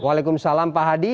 waalaikumsalam pak hadi